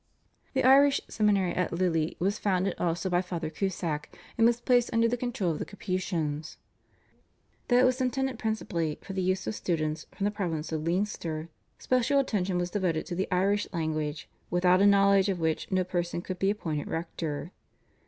The Irish seminary at Lille was founded also by Father Cusack, and was placed under the control of the Capuchins. Though it was intended principally for the use of students from the province of Leinster, special attention was devoted to the Irish language, without a knowledge of which no person could be appointed rector.